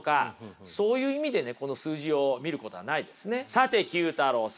さて９太郎さん。